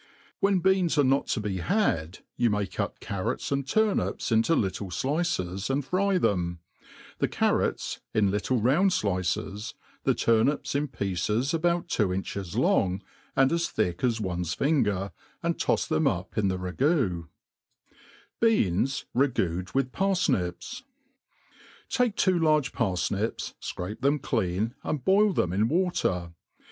When beans are not be had, you may cut carrots and turnips into little flices, and fry them ; the carrots ia little round flices, the turnips in pieces about two inches long, and 9S thick as one's finger, and tofs them up in the ragoo« Bi^ans ra^ifoed with Par/nips^ TAKE two large {>arrnips, fcrape them clean, and boil them in water.